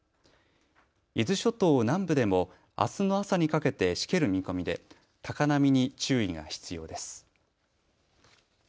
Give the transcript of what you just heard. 伊豆諸島南部でもあすの朝にかけてしける見込みで高波に注意が必要です。